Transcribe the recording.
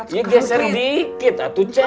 iya geser dikit atuh ce